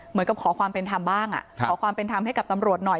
เหมือนกับขอความเป็นทำบ้างครับขอความเป็นทำให้กับตำรวจหน่อย